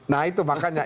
nah itu makanya